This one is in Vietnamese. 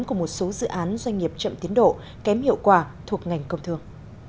của một số dự án doanh nghiệp chậm tiến độ kém hiệu quả thuộc ngành công thương